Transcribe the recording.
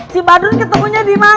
si badrun ketemunya dimana